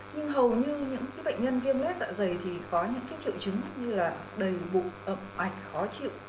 nhưng hầu như những bệnh nhân viêm lết dạ dày thì có những triệu chứng như là đầy bụng ảnh khó chịu